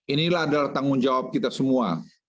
inilah adalah tanggung jawab kita semua